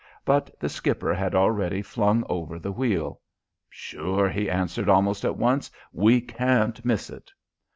But the skipper had already flung over the wheel. "Sure," he answered almost at once. "We can't miss it."